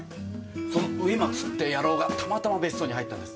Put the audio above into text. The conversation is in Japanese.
その上松って野郎がたまたま別荘に入ったんです。